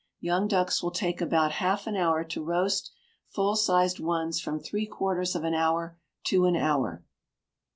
Young ducks will take about half an hour to roast; full sized ones from three quarters of an hour to an hour.